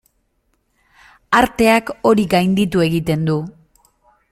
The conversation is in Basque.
Arteak hori gainditu egiten du.